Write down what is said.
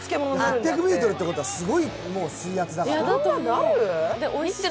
８００ｍってことは、すごい水圧だから。